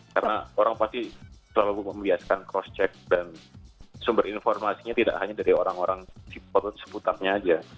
karena orang pasti selalu membiaskan cross check dan sumber informasinya tidak hanya dari orang orang seputarnya aja